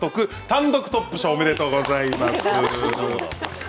単独トップ賞おめでとうございます。